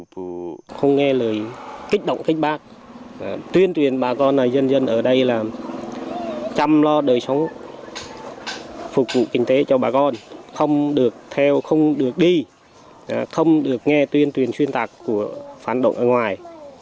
phục vụ kinh tế cho bà con không được theo không được đi không được nghe tuyên truyền xuyên tạc của phán động ở ngoài